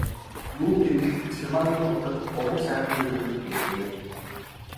Юу гэвэл, Цэрмаагийн нутаг Гурван сайхны өвөрт бөлгөө.